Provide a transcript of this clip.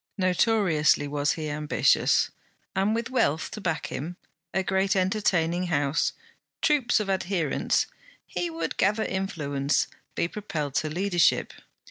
Notoriously was he ambitious, and with wealth to back him, a great entertaining house, troops of adherents, he would gather influence, be propelled to leadership.